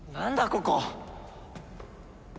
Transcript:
ここ。